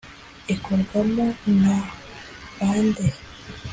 Ikorwamo na bande